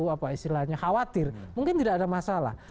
apa istilahnya khawatir mungkin tidak ada masalah